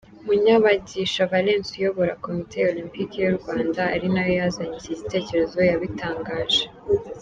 Munyabagisha Valens uyobora Komite Olempike y’u Rwanda ari nayo yazanye iki gitekerezo yabitangaje.